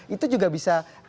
itu juga bisa